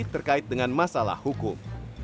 terkait dengan masalah hukum